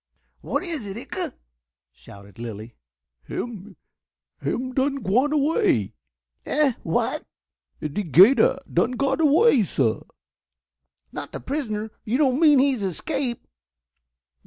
"What is it, Icha?" shouted Lilly. "Him him done gwine away." "Eh, what?" "De 'Gator done gwine away, sah." "Not the prisoner? You don't mean he has escaped?"